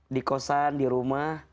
di kosan di rumah